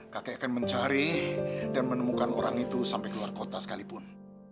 kakek akan mencari dan menemukan orang itu sampai keluar kota sekalipun